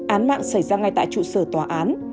án mạng xảy ra ngay tại trụ sở tòa án